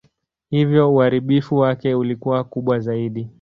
Hivyo uharibifu wake ulikuwa kubwa zaidi.